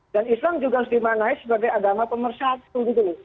dan islam juga dimanai sebagai agama pemersatu